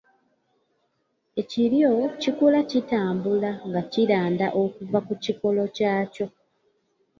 Ekiryo kikula kitambula nga kiranda okuva ku kikolo kyakyo.